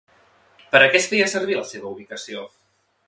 Per a què es feia servir la seva ubicació?